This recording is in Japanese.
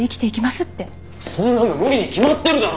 そんなの無理に決まってるだろ！